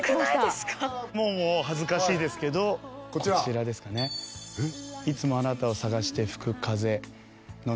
もう恥ずかしいですけどこちらこちらですかね・えっ？